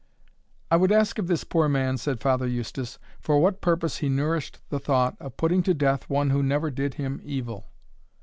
"I would ask of this poor man," said Father Eustace, "for what purpose he nourished the thought of putting to death one who never did him evil?"